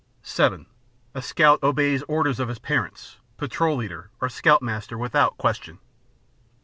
7. A Scout Obeys Orders of his parents, patrol leader, or scoutmaster without question.